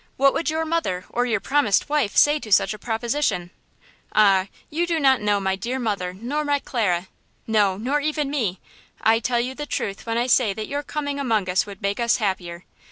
What would your mother or your promised wife say to such a proposition?" "Ah! you do not know my dear mother nor my Clara–no, nor even me. I tell you the truth when I say that your coming among us would make us happier.